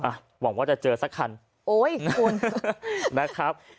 อ่ะหวังว่าจะเจอสักครั้งนะครับโอ้ยคุณ